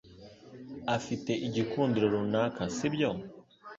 afite igikundiro runaka, sibyo?